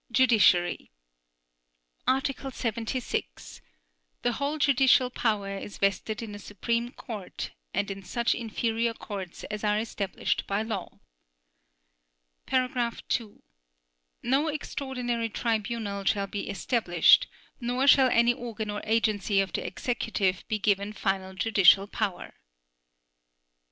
JUDICIARY Article 76. The whole judicial power is vested in a Supreme Court and in such inferior courts as are established by law. (2) No extraordinary tribunal shall be established, nor shall any organ or agency of the Executive be given final judicial power.